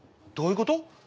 どういうこと？